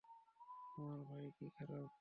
আমার ভাই কি খারাপ?